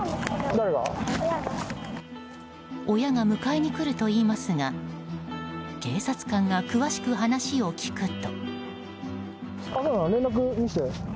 親が迎えに来るといいますが警察官が詳しく話を聞くと。